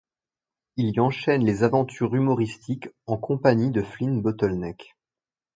Il y enchaîne les aventures humoristiques, en compagnie de Flint Bottleneck.